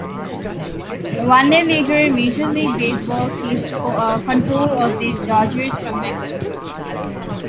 One day later, Major League Baseball seized control of the Dodgers from McCourt.